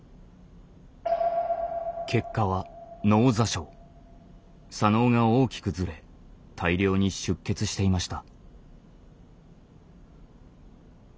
結果は左脳が大きくずれ大量に出血していました。